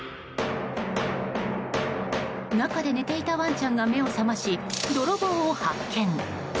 中で寝ていたワンちゃんが目を覚まし泥棒を発見。